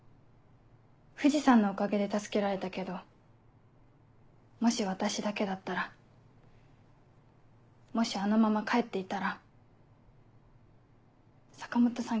藤さんのおかげで助けられたけどもし私だけだったらもしあのまま帰っていたら坂本さん